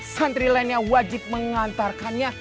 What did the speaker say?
santri lainnya wajib mengantarkannya